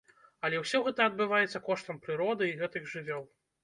Але ўсё гэта адбываецца коштам прыроды і гэтых жывёл.